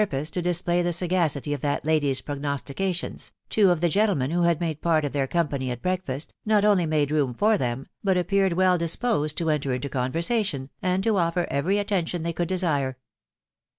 pose to display the sagacity of that lady's prognostications, two of the gentlemen who had made part of their company it breakfast, not only made room for them, but appeared wefl disposed to enter into conversation, and to offer every atten tion they could desire.